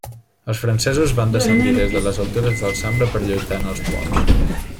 Els francesos van descendir des de les altures del Sambre per lluitar en els ponts.